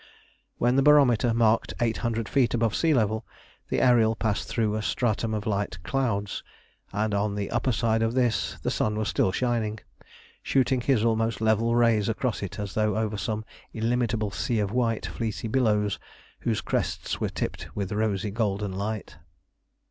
When the barometer marked eight hundred feet above the sea level, the Ariel passed through a stratum of light clouds, and on the upper side of this the sun was still shining, shooting his almost level rays across it as though over some illimitable sea of white fleecy billows, whose crests were tipped with rosy, golden light.